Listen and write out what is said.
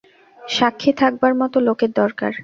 সাক্ষী থাকবার মতো লোকের দরকার।